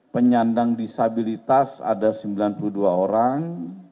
penyandang disabilitas ada sembilan puluh dua orang